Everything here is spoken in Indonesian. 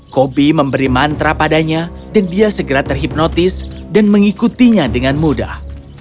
kobi memberi mantra padanya dan dia segera terhipnotis dan mengikutinya dengan mudah